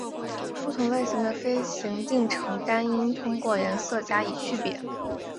不同类型的飞行进程单应通过颜色加以区别。